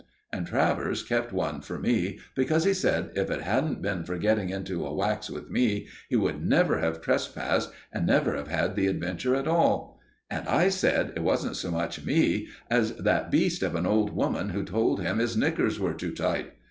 And Travers kept one for me, because, he said, if it hadn't been for getting into a wax with me, he would never have trespassed and never have had the adventure at all. And I said it wasn't so much me as that beast of an old woman who told him his knickers were too tight.